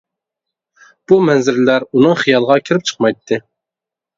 بۇ مەنزىرىلەر ئۇنىڭ خىيالىغا كىرىپ چىقمايتتى.